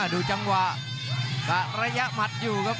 ดูจังหวะกะระยะหมัดอยู่ครับ